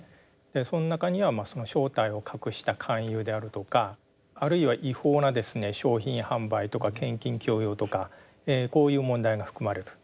その中には正体を隠した勧誘であるとかあるいは違法な商品販売とか献金強要とかこういう問題が含まれる。